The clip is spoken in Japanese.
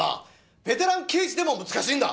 ベテラン刑事でも難しいんだ。